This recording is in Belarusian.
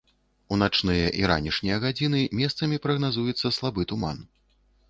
У начныя і ранішнія гадзіны месцамі прагназуецца слабы туман.